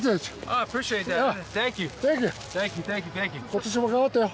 今年も頑張ってよ。